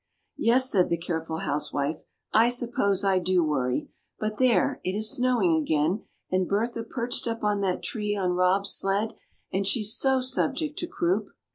'" "Yes," said the careful housewife, "I suppose I do worry. But there! it is snowing again, and Bertha perched up on that tree on Rob's sled, and she so subject to croup!"